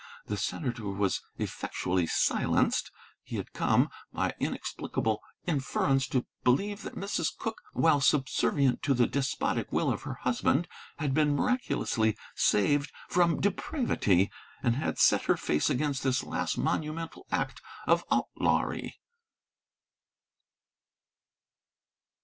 The senator was effectually silenced. He had come, by some inexplicable inference, to believe that Mrs. Cooke, while subservient to the despotic will of her husband, had been miraculously saved from depravity, and had set her face against this last monumental act of outlawry.